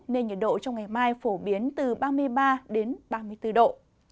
nên nhiệt độ trong ngày mai phổ biến từ ba mươi ba đến ba mươi bốn độ